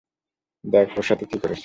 দেখ ওর সাথে কি করেছে।